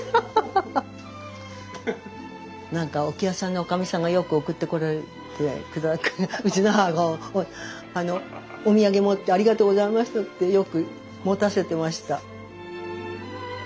何か置屋さんの女将さんがよく送って来られてうちの母がお土産を持って「ありがとうございました」ってよく持たせてました。